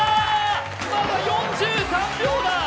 まだ４３秒だ。